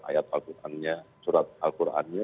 ayat al qurannya surat al qurannya